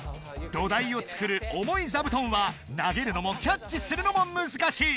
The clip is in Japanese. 土台を作る重い座布団は投げるのもキャッチするのもむずかしい！